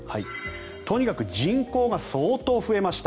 とにかく人口が相当増えました。